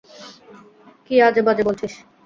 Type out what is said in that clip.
কী আজে বাজে বলছিস?